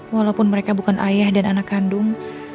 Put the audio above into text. walaupun mereka bukan ayah dan anak kandung